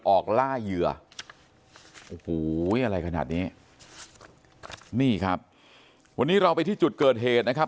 ออกล่าเหยื่อโอ้โหอะไรขนาดนี้นี่ครับวันนี้เราไปที่จุดเกิดเหตุนะครับ